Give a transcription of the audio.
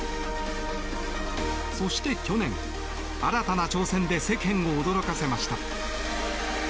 そして去年、新たな挑戦で世間を驚かせました。